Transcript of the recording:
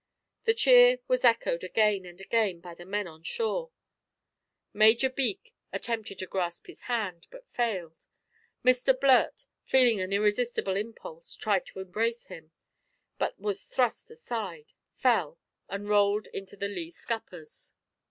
The cheer was echoed again and again by the men on shore. Major Beak attempted to grasp his hand, but failed. Mr Blurt, feeling an irresistible impulse, tried to embrace him, but was thrust aside, fell, and rolled into the lee scuppers.